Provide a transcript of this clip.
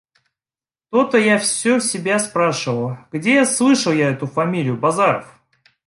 То-то я все себя спрашивал: где слышал я эту фамилию: Базаров?